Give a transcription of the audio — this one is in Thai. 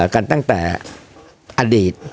กันตั้งแต่อดีต